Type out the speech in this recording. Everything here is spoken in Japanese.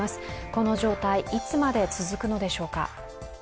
この状態、いつまで続くのでしょうか。